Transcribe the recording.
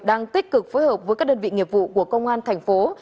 đang tích cực phối hợp với các đơn vị nghiệp vụ của công an tp hà nội